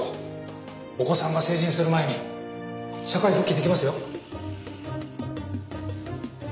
お子さんが成人する前に社会復帰できますよ。